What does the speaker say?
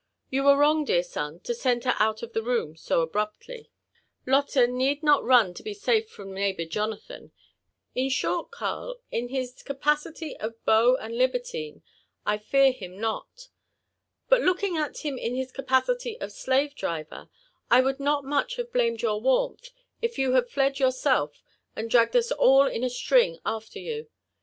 You were wrong, dear son, to send her out of the room so abruptly. Lotte need not run to be safe from neighbour Jonathan. In short, Earl, in his M LIFE AND ADVENTURES OP capicity of beaa <nd libertine, I test him not. Bat looking «t him in hifl capacity of slave driYer, I would not much hate blamed year warmth, if you had fled yourself, and dragged us all in a string after yoo.